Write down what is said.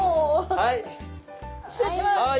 はい。